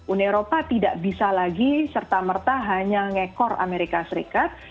uni eropa tidak bisa lagi serta merta hanya ngekor amerika serikat